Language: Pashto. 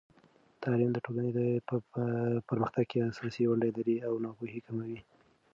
تعلیم د ټولنې په پرمختګ کې اساسي ونډه لري او ناپوهي کموي.